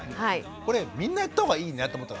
これみんなやったほうがいいなと思ったの。